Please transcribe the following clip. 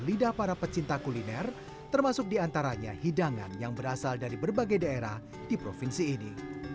kuliner adalah para pecinta kuliner termasuk di antaranya hidangan yang berasal dari berbagai daerah di provinsi ini